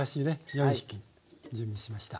４匹準備しました。